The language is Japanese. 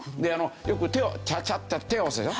よく手をチャチャッチャ手を合わすでしょ？